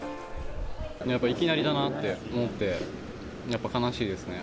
やっぱりいきなりだなと思って、やっぱ悲しいですね。